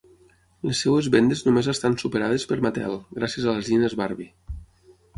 Les seves vendes només estan superades per Mattel, gràcies a les nines Barbie.